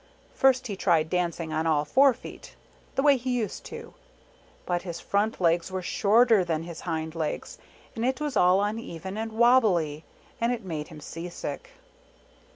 First he tried dancing on all four feet, the way he used to ; but his front legs were shorter than his hind legs, and it was all uneven and wobbly, and it made him sea sick.